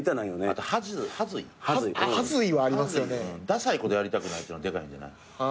ダサいことやりたくないってのはでかいんじゃない。